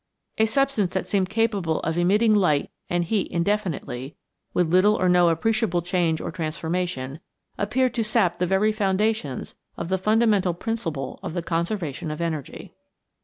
A substance that seemed capable of emitting light and heat indefinitely, with little or no appreciable change or transformation, appeared to sap the very foundations of the fundamental principle of the conservation of energy.